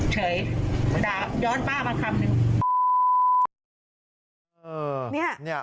เฉยด่าย้อนป้ามาคำหนึ่ง